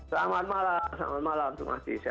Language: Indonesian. selamat malam selamat malam